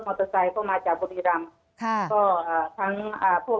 เตอร์ไซค์ก็มาจากบุรีรำค่ะก็อ่าทั้งอ่าพวก